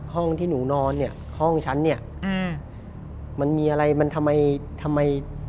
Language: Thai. ห้องที่หนูนอนเนี่ยห้องฉันเนี่ยมันมีอะไรมันทำไมทำไม